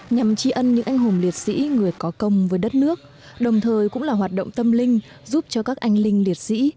nhằm tri ân những anh hùng liệt sĩ người có công với đất nước đồng thời cũng là hoạt động tâm linh giúp cho các anh linh liệt sĩ